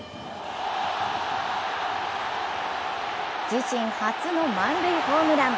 自身初の満塁ホームラン。